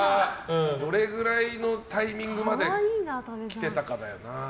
どれぐらいのタイミングまで着ていたかだよな。